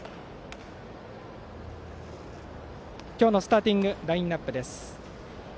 今日のスターティングラインナップです。